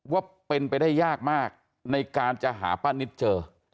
ว่าเป็นไปได้ยากมากในการจะหาป้านิตเจอ